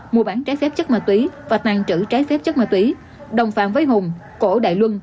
mua bán trái phép chất ma túy và tàn trữ trái phép chất ma túy đồng phạm với hùng cổ đại luân